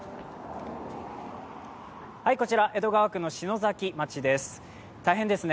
こちら江戸川区の篠崎町です。